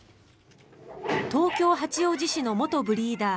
東京・八王子市の元ブリーダー